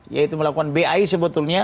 yaitu melakukan bai sebetulnya